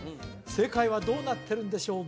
正解はどうなってるんでしょう